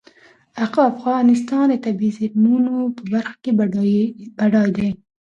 افغانستان د طبیعي زېرمونو په برخه کې بډای دی.